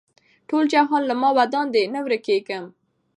ټول جهان له ما ودان دی نه ورکېږم